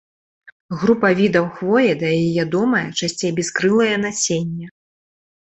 Група відаў хвоі дае ядомае, часцей бяскрылае насенне.